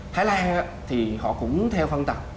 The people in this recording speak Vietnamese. thái lan thì họ cũng theo phân tầng